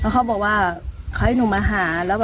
เขาให้หนูมาหา